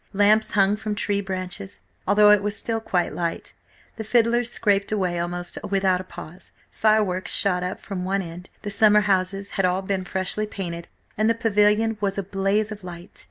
Lamps hung from tree branches, although it was still quite light; the fiddlers scraped away almost without a pause; fireworks shot up from one end; the summer houses had all been freshly painted, and the Pavilion was a blaze of light.